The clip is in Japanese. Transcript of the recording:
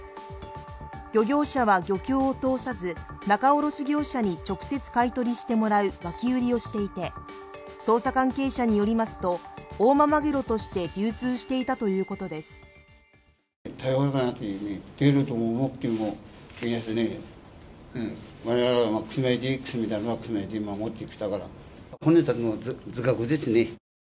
漁業者は漁協を通さず仲卸業者に直接、買い取りしてもらう脇売りをしていて捜査関係者に寄りますと大間まぐろとして流通していたということです。